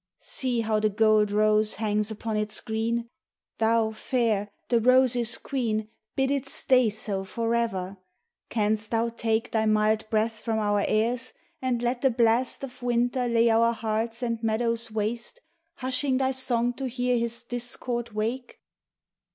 See how the gold rose hangs upon its green, Thou, fair, the roses' queen, c 34 ROSE TIDE Bid it stay so for ever. Canst thou take Thy mild breath from our airs and let the blast Of winter lay our hearts and meadows waste, Hushing thy song to hear his discord wake?